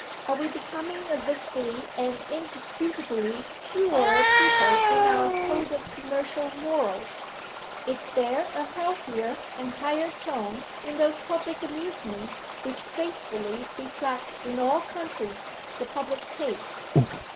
Are we becoming a visibly and indisputably purer people in our code of commercial morals? Is there a healthier and higher tone in those public amusements which faithfully reflect in all countries the public taste?